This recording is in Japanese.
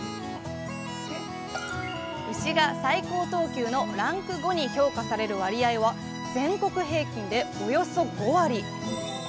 牛が最高等級のランク５に評価される割合は全国平均でおよそ５割。